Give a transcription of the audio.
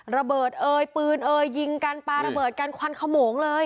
ระเบิดเอ่ยปืนเอ่ยยิงกันปลาระเบิดกันควันขโมงเลย